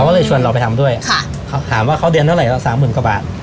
ก็เลยชวนเราไปทำด้วยค่ะถามว่าเขาเดือนเท่าไหร่สามหมื่นกว่าบาท